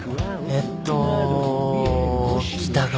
えっと北側？